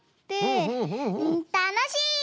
たのしい！